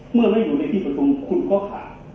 เมื่อไม่อยู่ในที่ประชุมคุณก็ขาด